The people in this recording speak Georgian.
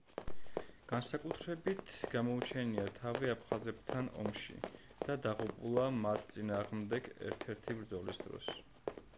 განსაკუთრებით გამოუჩენია თავი აფხაზებთან ომში და დაღუპულა მათ წინააღმდეგ ერთ-ერთი ბრძოლის დროს.